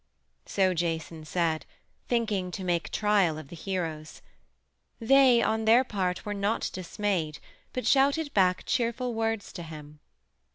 So Jason said, thinking to make trial of the heroes. They, on their part, were not dismayed, but shouted back cheerful words to him.